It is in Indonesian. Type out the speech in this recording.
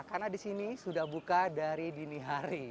karena di sini sudah buka dari dini hari